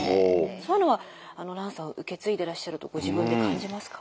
そういうのは蘭さん受け継いでらっしゃるとご自分で感じますか？